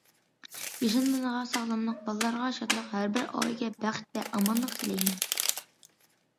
ياشانغانلارغا ساغلاملىق، بالىلارغا شادلىق، ھەر بىر ئائىلىگە بەخت ۋە ئامانلىق تىلەيمەن!